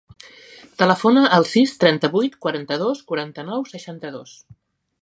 Telefona al sis, trenta-vuit, quaranta-dos, quaranta-nou, seixanta-dos.